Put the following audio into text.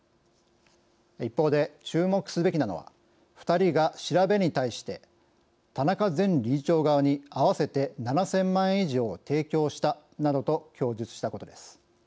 一方で注目すべきなのは２人が調べに対して「田中前理事長側に合わせて７，０００万円以上を提供した」などと供述したことです。